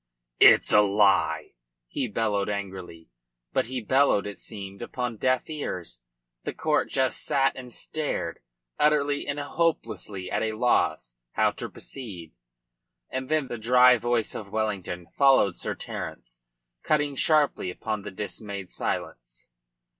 "It's a lie!" he bellowed angrily. But he bellowed, it seemed, upon deaf ears. The court just sat and stared, utterly and hopelessly at a loss how to proceed. And then the dry voice of Wellington followed Sir Terence, cutting sharply upon the dismayed silence.